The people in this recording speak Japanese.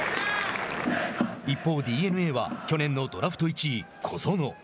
一方ＤｅＮＡは去年のドラフト１位、小園。